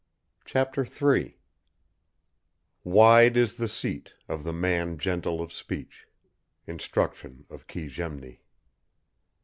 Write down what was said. CHAPTER III "Wide is the seat of the man gentle of speech." INSTRUCTION OF KE' GEMNI.